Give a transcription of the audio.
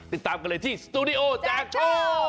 ติดตามกันเลยที่สตูดิโอแจกโชว์